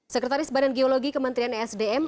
sekretaris badan geologi kementerian esdm